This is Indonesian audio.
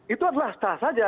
itu adalah sah saja